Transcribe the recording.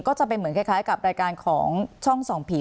ก็จะเป็นเหมือนคล้ายกับรายการของช่องส่องผี